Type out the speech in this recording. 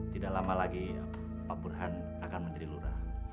tidak lama lagi pak burhan akan menjadi lurah